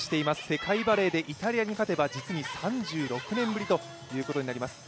世界バレーでイタリアに勝てば、実に３６年ぶりということになります。